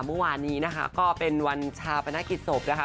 เมื่อวานนี้นะคะก็เป็นวันชาปนกิจศพนะคะ